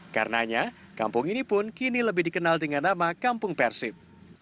karenanya kampung ini pun kini lebih dikenal dengan nama kampung persib